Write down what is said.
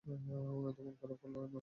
এত মন খারাপ করলে কেন?